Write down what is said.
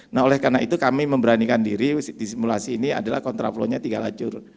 ya sudah karena itu kami memberanikan diri di simulasi ini adalah kontraplonnya tiga lacur